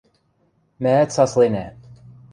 Мӓӓт сасленӓ.